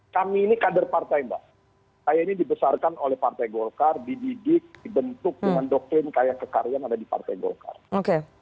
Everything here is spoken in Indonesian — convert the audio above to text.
kami ini kader partai mbak saya ini dibesarkan oleh partai golkar dididik dibentuk dengan doktrin kaya kekaryaan ada di partai golkar